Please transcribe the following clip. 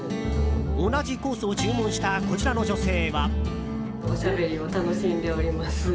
同じコースを注文したこちらの女性は。